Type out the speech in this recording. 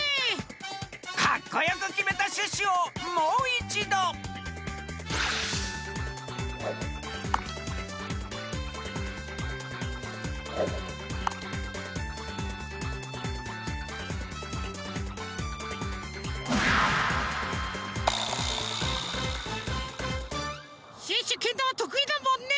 カッコよくきめたシュッシュをもういちどシュッシュけんだまとくいだもんね！